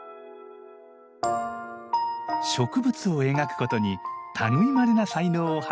植物を描くことに類いまれな才能を発揮した牧野博士。